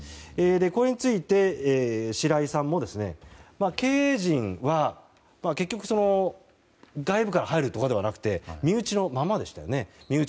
これについて白井さんも経営陣は結局外部から入るとかではなくて身内のままでしたよね。